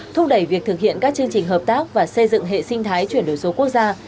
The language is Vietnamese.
thúc đẩy việc thực hiện các chương trình hợp tác và xây dựng hệ sinh thái chuyển đổi số quốc gia